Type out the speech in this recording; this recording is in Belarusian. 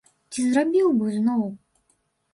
Ці зрабіў бы зноў?